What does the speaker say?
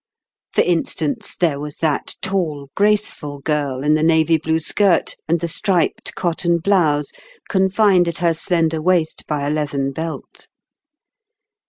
For instance, there was that tall, graceful girl in the navy blue skirt, and the striped cotton blouse confined at her slender waist by a leathern belt.